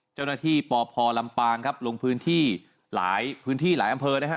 เจ้าหน้าที่ปพลำปางครับลงพื้นที่หลายพื้นที่หลายอำเภอนะฮะ